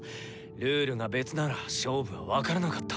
ルールが別なら勝負は分からなかった。